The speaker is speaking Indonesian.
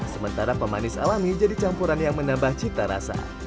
sementara pemanis alami jadi campuran yang menambah cita rasa